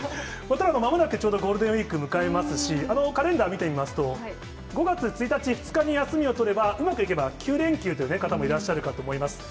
まもなくちょうどゴールデンウィーク迎えますし、カレンダー見てみますと、５月１日、２日に休みを取れば、うまくいけば９連休という方もいらっしゃるかと思います。